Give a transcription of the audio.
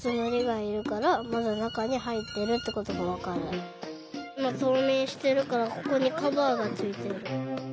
いまとうみんしてるからここにカバーがついてる。